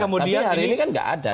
tapi hari ini kan gak ada kan